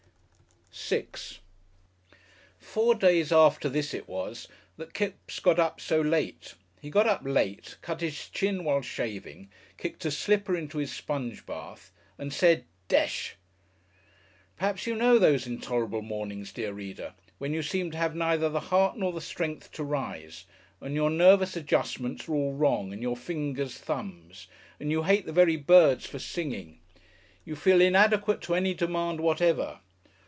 §6 Four days after this it was that Kipps got up so late. He got up late, cut his chin while shaving, kicked a slipper into his sponge bath and said, "Desh!" Perhaps you know those intolerable mornings, dear Reader, when you seem to have neither the heart nor the strength to rise, and your nervous adjustments are all wrong and your fingers thumbs, and you hate the very birds for singing. You feel inadequate to any demand whatever.